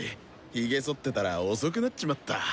ヒゲそってたら遅くなっちまった！